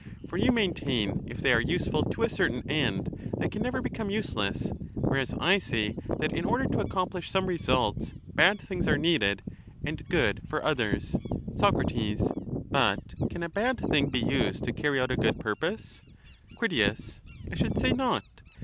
For you maintain if they are useful to a certain end, they can never become useless wrhereas I say rhat in order to accomplish some results bad things are needed, and good for oth Soc. But can a bad thing be used to carry out a good purpos Crit I should say not.